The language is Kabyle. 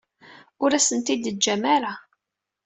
Ur as-ten-id-teǧǧam ara.